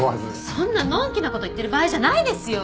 そんなのんきなこと言ってる場合じゃないですよ。